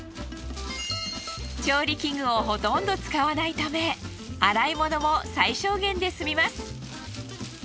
調理器具をほとんど使わないため洗い物も最小限で済みます。